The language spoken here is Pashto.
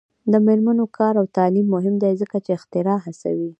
د میرمنو کار او تعلیم مهم دی ځکه چې اختراع هڅوي.